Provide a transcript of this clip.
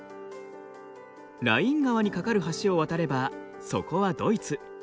ライン川に架かる橋を渡ればそこはドイツ。